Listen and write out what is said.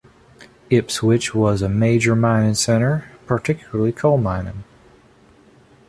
Ipswich was a major mining centre, particularly coal mining.